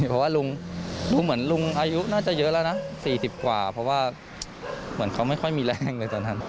เพราะว่าลุงดูเหมือนลุงอายุน่าจะเยอะแล้วนะ๔๐กว่าเพราะว่าเหมือนเขาไม่ค่อยมีแรงเลยตอนนั้น